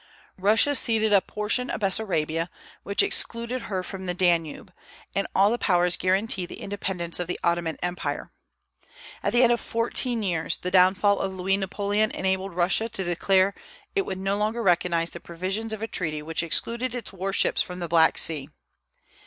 Russia ceded a portion of Bessarabia, which excluded her from the Danube; and all the Powers guaranteed the independence of the Ottoman Empire. At the end of fourteen years, the downfall of Louis Napoleon enabled Russia to declare that it would no longer recognize the provisions of a treaty which excluded its war ships from the Black Sea.